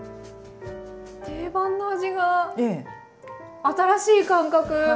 定番の味が新しい感覚。